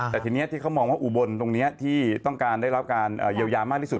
แต่ทีนี้ที่เขามองว่าอุบลตรงนี้ที่ต้องการได้รับการเยียวยามากที่สุด